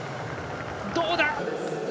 どうだ。